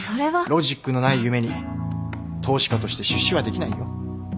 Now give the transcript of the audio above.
ロジックのない夢に投資家として出資はできないよ。